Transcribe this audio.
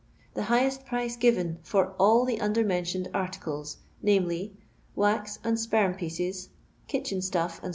THE HIGHEST PRICE GIVEN For all the undermentioned articles, vis :— Wax and Sperm Pieces Kitchen Stuff, dec.